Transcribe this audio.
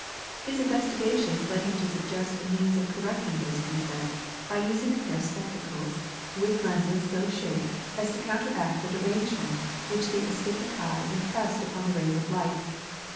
His investigations led him to suggest a means of correcting this defect by using a pair of spectacles with lenses so shaped as to counteract the derangement which the astigmatic eye impressed upon the rays of light.